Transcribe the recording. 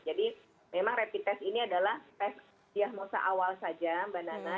jadi memang rapid test ini adalah tes siah masa awal saja mbak nana